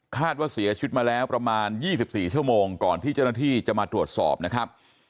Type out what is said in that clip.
ว่าเสียชีวิตมาแล้วประมาณ๒๔ชั่วโมงก่อนที่เจ้าหน้าที่จะมาตรวจสอบนะครับ